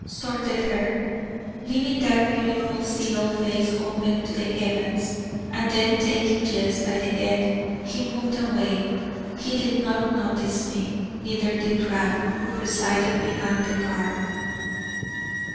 sorted her, leaving that beautiful sealed face open to the heavens; and then taking Jess by the head, he moved away. He did not notice me, neither did Rab, who presided behind the cart.